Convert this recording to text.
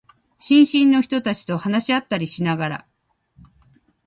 新進の人たちと話し合ったりしながら、